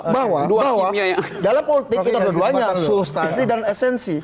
bahwa dalam politik kita berduanya substansi dan esensi